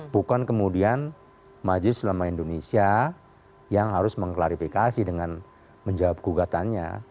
bukan kemudian majlis nama indonesia yang harus mengklarifikasi dengan menjawab gugatannya